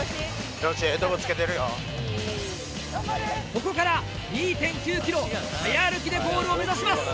ここから２．９ｋｍ早歩きでゴールを目指します。